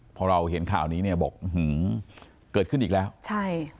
พอเราเห็นข่าวนี้เนี่ยบอกหือเกิดขึ้นอีกแล้วใช่